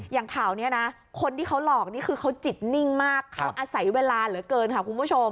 อย่างข่าวนี้นะคนที่เขาหลอกนี่คือเขาจิตนิ่งมากเขาอาศัยเวลาเหลือเกินค่ะคุณผู้ชม